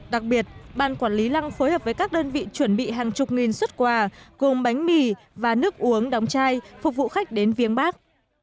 đặc biệt ban quản lý lăng phối hợp với các đơn vị chuẩn bị hàng chục nghìn xuất quà gồm bánh mì và nước uống đóng chai phục vụ khách đến viếng bắc